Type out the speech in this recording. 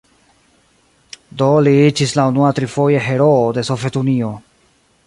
Do li iĝis la unua trifoje heroo de Sovetunio.